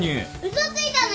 嘘ついたな！